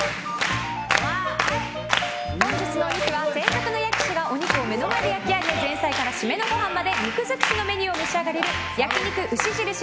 本日のお肉は、専属の焼き師がお肉を目の前で焼き上げ前菜から締めのご飯まで肉尽くしのメニューを召し上がれる焼肉牛印